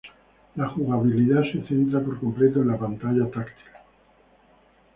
La jugabilidad se centra por completo en la Pantalla Táctil.